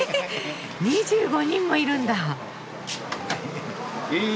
２５人もいるんだ！